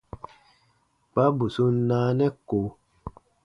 Kpa bù sun naanɛ ko.